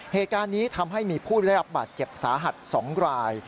เหตุการณ์นี้ทำให้มีผู้ได้รับบาดเจ็บสาหัส๒ราย